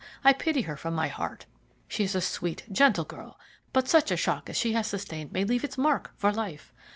I pity her from my heart. She is a sweet, gentle girl; but such a shock as she has sustained may leave its mark for life.